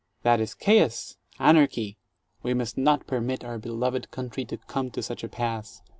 That is chaos, anarchy! We must not permit our beloved country to come to such a pass.